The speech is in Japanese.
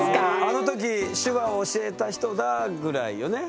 あの時手話を教えた人だぐらいよね？